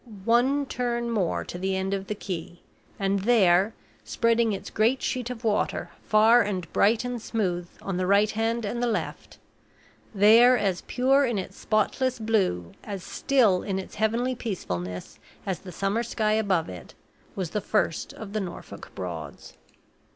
One turn more to the end of the quay and there, spreading its great sheet of water, far and bright and smooth, on the right hand and the left there, as pure in its spotless blue, as still in its heavenly peacefulness, as the summer sky above it, was the first of the Norfolk Broads.